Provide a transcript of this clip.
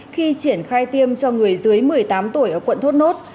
khi triển khai tiêm cho người dưới một mươi tám tuổi ở quận thốt nốt